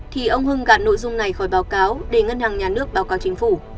thì ông hưng gạt nội dung này khỏi báo cáo để ngân hàng nhà nước báo cáo chính phủ